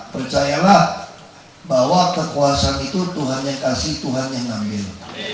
percayalah bahwa kekuasaan itu tuhan yang kasih tuhan yang ngambil